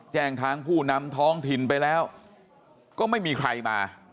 แจ้งทางผู้นำท้องถิ่นไปแล้วก็ไม่มีใครมา